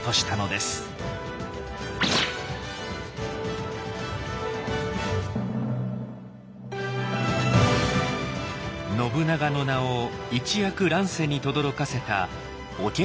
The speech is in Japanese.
信長の名を一躍乱世にとどろかせた桶狭間の戦い。